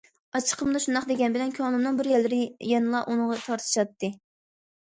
ئاچچىقىمدا شۇنداق دېگەن بىلەن، كۆڭلۈمنىڭ بىر يەرلىرى يەنىلا ئۇنىڭغا تارتىشاتتى.